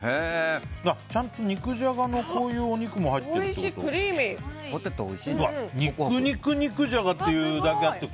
ちゃんと肉じゃがのこういうお肉も入ってるってこと。